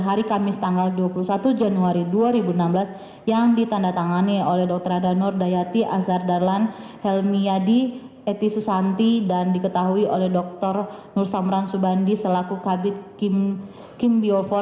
hari kamis tanggal dua puluh satu januari dua ribu enam belas sesuai dengan fakta hukum